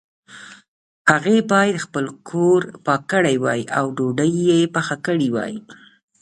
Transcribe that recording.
هغې باید خپل کور پاک کړی وای او ډوډۍ یې پخې کړي وای